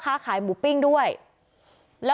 กระทั่งตำรวจก็มาด้วยนะคะ